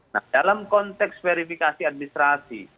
nah dalam konteks verifikasi administrasi